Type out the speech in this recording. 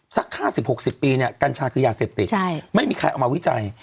สัก๕๐๖๐ปีเนี่ยกัญชาคือยาเสพติดไม่มีใครเอามาวิจัย